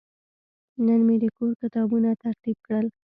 نن مې د کور کتابونه ترتیب کړل.